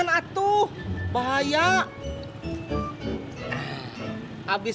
utar apa kamu itu